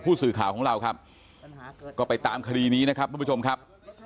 ผู้สื่อข่าวของเราครับก็ไปตามคดีนี้นะครับทุกผู้ชมครับ